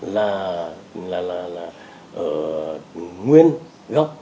là nguyên gốc